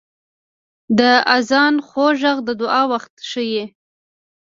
• د آذان خوږ ږغ د دعا وخت ښيي.